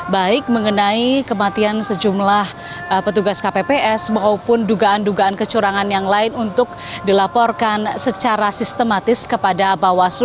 baik mengenai kematian sejumlah petugas kpps maupun dugaan dugaan kecurangan yang lain untuk dilaporkan secara sistematis kepada bawaslu